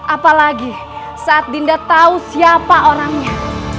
apalagi saat dinda tahu siapa orangnya